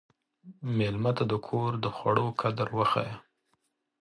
مېلمه ته د کور د خوړو قدر وښیه.